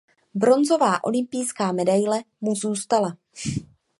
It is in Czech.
Bronzová olympijská medaile mu zůstala.